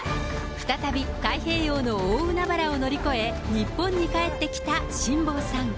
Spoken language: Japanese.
再び太平洋の大海原を乗り越え、日本に帰ってきた辛坊さん。